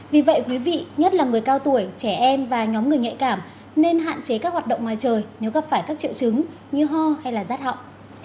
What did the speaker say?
vì vậy quý vị nhất là người cao tuổi trẻ em và nhóm người nhạy cảm nên hạn chế các hoạt động ngoài trời nếu gặp phải các triệu chứng như ho hay rát họng